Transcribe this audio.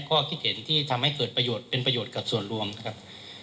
ข้อคิดเห็นที่ทำให้เกิดประโยชน์เป็นประโยชน์กับส่วนรวมนะครับ